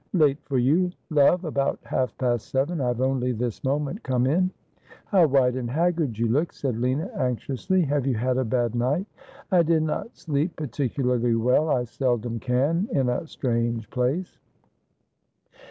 ' Late for you, love. About half past seven. I have only this moment come in.' 'How white and haggard you look!' said Lina anxiously. ' Have you had a bad night ?'' I did not sleep particularly well. I seldom can in a strange place.'